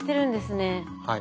はい。